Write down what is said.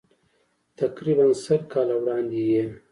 تقریباً سل کاله وړاندې یې.